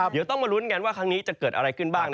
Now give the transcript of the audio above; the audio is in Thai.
เดี๋ยวต้องมาลุ้นกันว่าครั้งนี้จะเกิดอะไรขึ้นบ้าง